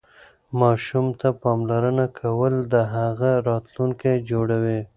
ماشوم ته پاملرنه کول د هغه راتلونکی جوړوي.